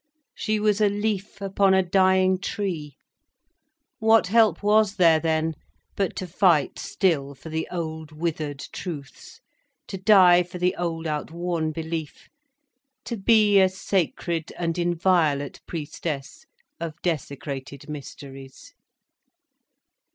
She was a leaf upon a dying tree. What help was there then, but to fight still for the old, withered truths, to die for the old, outworn belief, to be a sacred and inviolate priestess of desecrated mysteries?